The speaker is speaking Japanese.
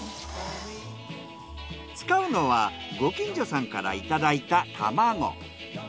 使うのはご近所さんからいただいた卵。